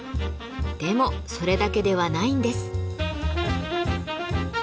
でもそれだけではないんです。